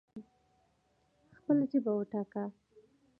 خپله ژبه وټاکئ